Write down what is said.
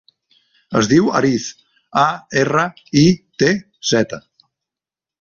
Es diu Aritz: a, erra, i, te, zeta.